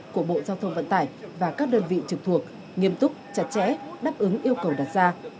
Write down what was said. của bộ giao thông vận tải và các đơn vị trực thuộc nghiêm túc chặt chẽ đáp ứng yêu cầu đặt ra